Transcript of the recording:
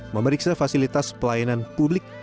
memeriksa fasilitas pelayanan publik